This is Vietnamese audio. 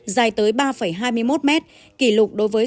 dài tới ba hai mươi một mét kỷ lục đối với